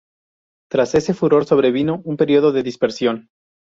Tras ese furor sobrevino un período de dispersión.